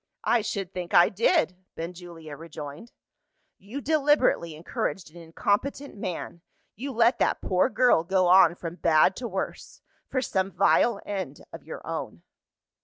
"I should think I did!" Benjulia rejoined. "You deliberately encouraged an incompetent man; you let that poor girl go on from bad to worse for some vile end of your own."